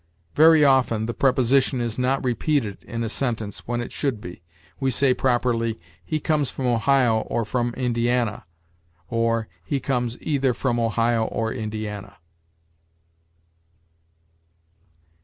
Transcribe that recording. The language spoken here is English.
Very often the preposition is not repeated in a sentence, when it should be. We say properly, "He comes from Ohio or from Indiana"; or, "He comes either from Ohio or Indiana."